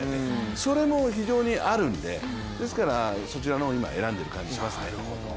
それも非常にあるのでですからそちらの方を今、選んでる感じがしますね。